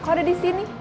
kok ada di sini